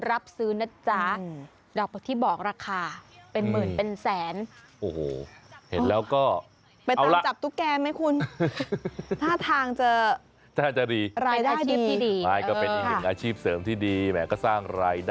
เราก็ที่บอกราคาเป็นหมื่นเป็นแสน